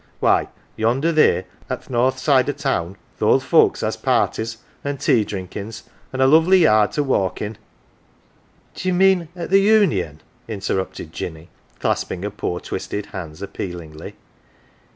Why, yonder theer, at th' north side o' town, th' old folks has parties, an' tea drinkin's, an' a lovely yard to walk in " 154 AUNT JINNY " D'ye mean at the Union ?" interrupted Jinny, clasping her poor twisted hands appealingly.